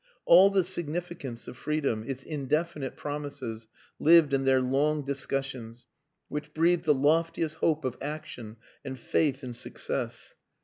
All the significance of freedom, its indefinite promises, lived in their long discussions, which breathed the loftiest hope of action and faith in success.